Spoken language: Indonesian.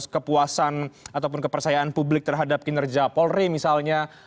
kepuasan ataupun kepercayaan publik terhadap kinerja polri misalnya